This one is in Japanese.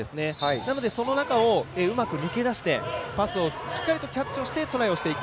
なのでその中をうまく抜け出してパスをしっかりとキャッチをしてトライをする。